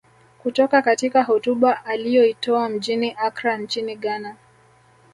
Kutoka katika hotuba aliyoitoa mjini Accra nchini Ghana